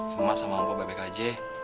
mama sama opo baik baik aja